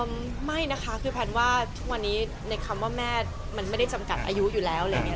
ไม่นะคะคือแพทย์ว่าทุกวันนี้ในคำว่าแม่มันไม่ได้จำกัดอายุอยู่แล้วอะไรอย่างนี้